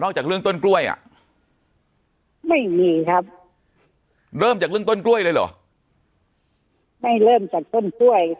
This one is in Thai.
จากเรื่องต้นกล้วยอ่ะไม่มีครับเริ่มจากเรื่องต้นกล้วยเลยเหรอไม่เริ่มจากต้นกล้วย